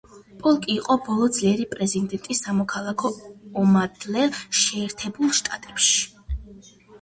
პოლკი იყო ბოლო ძლიერი პრეზიდენტი სამოქალაქო ომამდელ შეერთებულ შტატებში.